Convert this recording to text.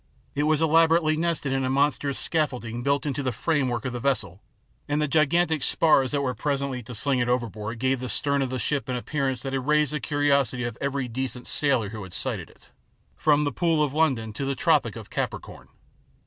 It was elaborately nested in a monstrous scaffolding built into the framework of the vessel, and the gigantic spars that were pre sently to sling it overboard gave the stern of the ship an appearance that had raised the curiosity of every decent sailor who had sighted it, from the Pool of London to the Tropic of Capricorn.